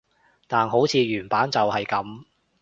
但好似原版就係噉